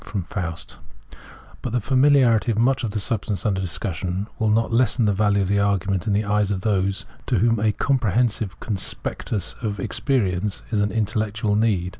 f But the familiarity of much of the substance under discussion will not lessen the value of the argument in the eyes of those to whom a comprehensive conspectus of experience is an intellectual need.